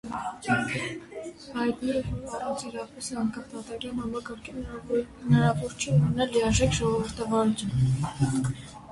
Հայտնի է, որ առանց իրապես անկախ դատական համակարգի հնարավոր չէ ունենալ լիարժեք ժողովրդավարություն։